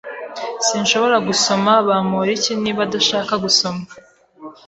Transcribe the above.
Sinshobora gusoma Bamoriki niba adashaka gusomwa.